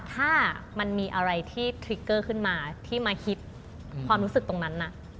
ถ้ามันมีอะไรที่ทริกเกอร์ขึ้นมาที่มาคิดความรู้สึกตรงนั้นนะ